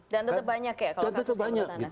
dan tetap banyak ya kalau kasusnya